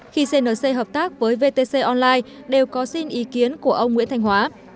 khi cnc hợp tác với vtc online đều có xin ý kiến của ông nguyễn thanh hóa